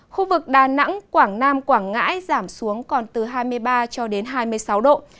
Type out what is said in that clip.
khu vực đà nẵng quảng nam quảng ngãi giảm xuống còn từ hai mươi ba hai mươi sáu độ